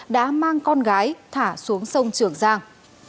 đã mang con gái thả xuống sông trường giang